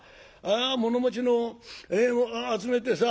物持ちを集めてさ